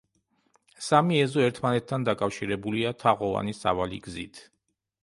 სამი ეზო ერთმანეთან დაკავშირებულია თაღოვანი სავალი გზით.